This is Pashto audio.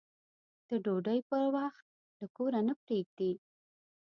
د ډوډۍ په وخت له کوره نه پرېږدي.